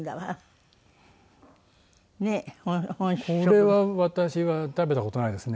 これは私は食べた事ないですね。